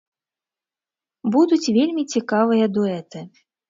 Будуць вельмі цікавыя дуэты.